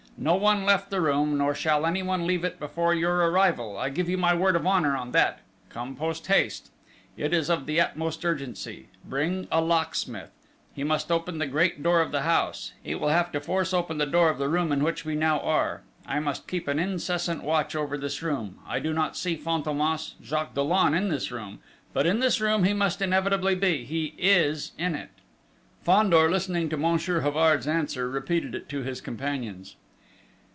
No one left the room, nor shall anyone leave it before your arrival, I give you my word of honour on that! Come, post haste. It is of the utmost urgency. Bring a locksmith. He must open the great door of the house. He will have to force open the door of the room in which we now are. I must keep an incessant watch over this room. I do not see Fantômas Jacques Dollon in this room; but in this room he must inevitably be he is in it!" Fandor, listening to Monsieur Havard's answer, repeated it to his companions.